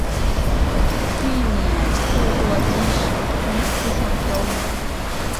避免透过即时通私下交易